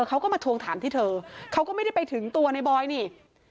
เขาก็มาทวงถามที่เธอเขาก็ไม่ได้ไปถึงตัวในบอยนี่